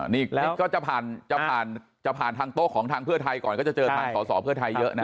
นี่ก็จะผ่านจะผ่านจะผ่านทางโต๊ะของทางเพื่อไทยก่อนก็จะเจอทางสอสอเพื่อไทยเยอะนะ